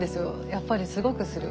やっぱりすごくする。